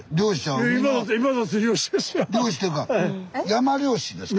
山猟師ですか？